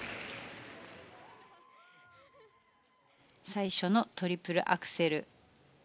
最初のトリプルアクセル。